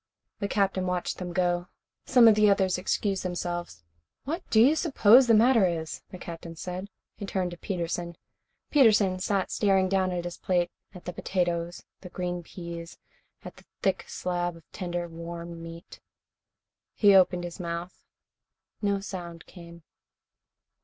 The Captain watched them go. Some of the others excused themselves. "What do you suppose the matter is?" the Captain said. He turned to Peterson. Peterson sat staring down at his plate, at the potatoes, the green peas, and at the thick slab of tender, warm meat. He opened his mouth. No sound came.